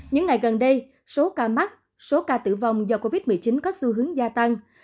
những ngày gần đây số ca mắc số ca tử vong do covid một mươi chín có xu hướng gia tăng